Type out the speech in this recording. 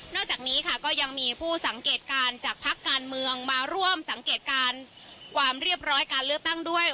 จากนี้ค่ะก็ยังมีผู้สังเกตการณ์จากพักการเมืองมาร่วมสังเกตการณ์ความเรียบร้อยการเลือกตั้งด้วย